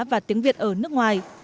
và tiếng việt ở nước ngoài